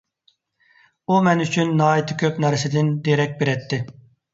ئۇ مەن ئۈچۈن ناھايىتى كۆپ نەرسىدىن دېرەك بېرەتتى.